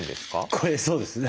これそうですね。